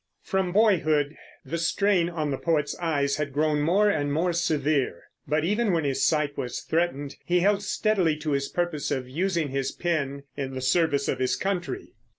From boyhood the strain on the poet's eyes had grown more and more severe; but even when his sight was threatened he held steadily to his purpose of using his pen in the service of his country.